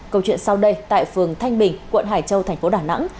câu chuyện sau đây tại phường thanh bình quận hải châu thành phố đà nẵng